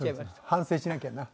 反省しなきゃな。